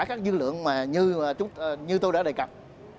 các dư lượng mà như tôi đã đề cập